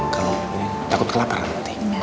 kalau takut kelaparan nanti